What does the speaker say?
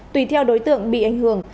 tùy theo đối tượng bị ảnh hưởng